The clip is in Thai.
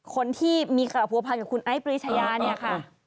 คนที่มีกระปัวภัณฑ์กับคุณไอ้ปริชญานะคะ